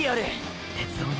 鉄道に？